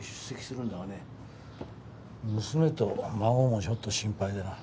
娘と孫もちょっと心配でな。